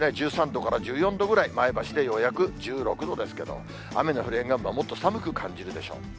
１３度から１４度ぐらい、前橋でようやく１６度ですけど、雨の降る沿岸部はもっと寒く感じるでしょう。